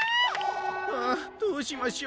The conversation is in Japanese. あどうしましょう。